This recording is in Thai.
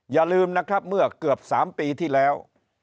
อย่าลืมเมื่อเกือบ๓ปีที่แล้ว